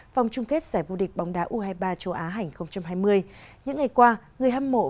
vòng chung kết giải vô địch bóng đá u hai mươi ba châu á hành hai mươi